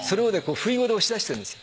ふいごで押し出してるんですよ。